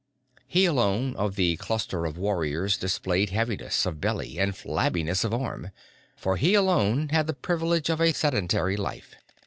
He alone of the cluster of warriors displayed heaviness of belly and flabbiness of arm for he alone had the privilege of a sedentary life.